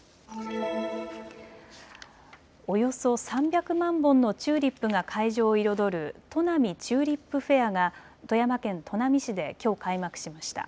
およそ３００万本のチューリップが会場を彩るとなみチューリップフェアが富山県砺波市できょう開幕しました。